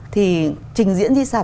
thì trình diễn di sản